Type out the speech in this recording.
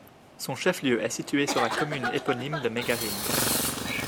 Son chef-lieu est situé sur la commune éponyme de Megarine.